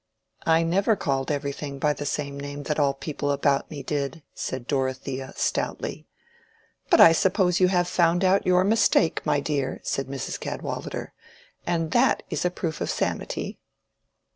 "I never called everything by the same name that all the people about me did," said Dorothea, stoutly. "But I suppose you have found out your mistake, my dear," said Mrs. Cadwallader, "and that is a proof of sanity."